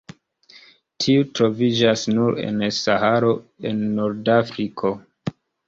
Tiu troviĝas nur en Saharo en Nord-Afriko.